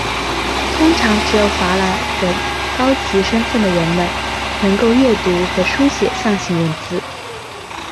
通常只有法老等具有高级身份的人们能够阅读和书写象形文字。